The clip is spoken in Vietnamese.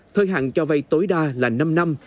thời hạn cho vay tối đa là năm năm